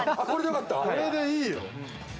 これで、いいよ。